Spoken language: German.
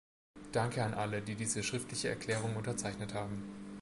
Danke an alle, die diese schriftliche Erklärung unterzeichnet haben.